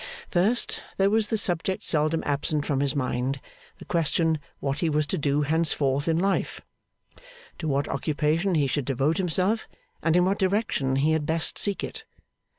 First, there was the subject seldom absent from his mind, the question, what he was to do henceforth in life; to what occupation he should devote himself, and in what direction he had best seek it.